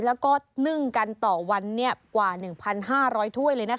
แล้วก็นึ่งกันต่อวันกว่า๑๕๐๐ถ้วยเลยนะคะ